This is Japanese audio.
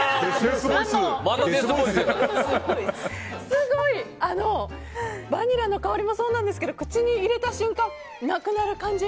すごい、バニラの香りもそうなんですけど口に入れた瞬間なくなる感じ。